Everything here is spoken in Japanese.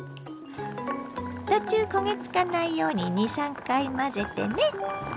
途中焦げつかないように２３回混ぜてね。